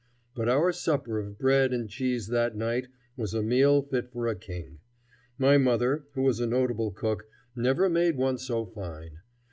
But our supper of bread and cheese that night was a meal fit for a king. My mother, who was a notable cook, never made one so fine.